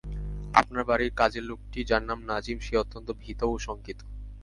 আপনার বাড়ির কাজের লোকটি, যার নাম নাজিম, সে অত্যন্ত ভীত ও শঙ্কিত।